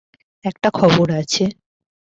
একটা খবর আছে!